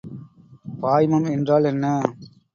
பாய்மம் என்றால் என்ன?